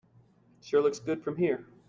It sure looks good from here.